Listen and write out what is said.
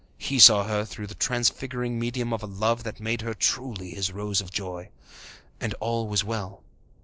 He saw her through the transfiguring medium of a love that made her truly his Rose of joy. And all was well.